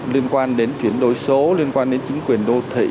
liên quan đến chuyển đổi số liên quan đến chính quyền đô thị